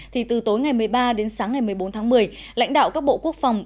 thì từ tối ngày một mươi ba đến sáng ngày một mươi bốn tháng một mươi lãnh đạo các bộ quốc phòng